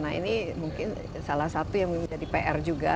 nah ini mungkin salah satu yang menjadi pr juga